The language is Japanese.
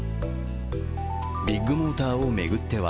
ビッグモーターを巡っては